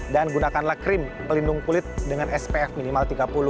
dan gunakanlah krim pelindung kulit dengan spf minimal tiga puluh